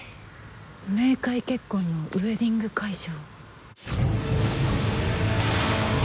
冥界結婚のウエディング会場。